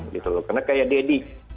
karena seperti deddy